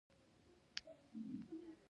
ګاونډي ته ستا اخلاص ډېر مهم دی